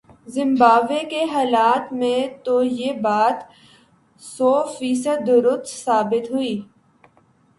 Zimbabwe کے حالات میں تو یہ بات سوفیصد درست ثابت ہوئی۔